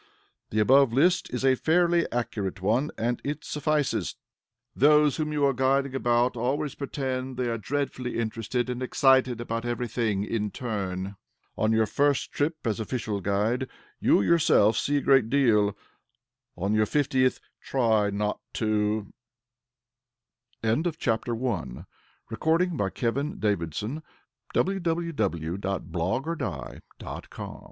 The above list is a fairly accurate one, and it suffices. Those whom you are guiding about always pretend they are dreadfully interested and excited about every thing in turn. On your first trip as official guide, you yourself see a great deal; on your fiftieth, you try not to. [Illustration: THE WEATHER IS GENERALLY THE ONLY THING ABO